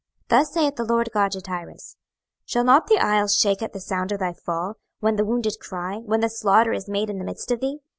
26:026:015 Thus saith the Lord GOD to Tyrus; Shall not the isles shake at the sound of thy fall, when the wounded cry, when the slaughter is made in the midst of thee?